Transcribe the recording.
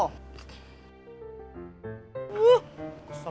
bukan warung curhat